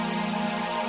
aku mau nanggur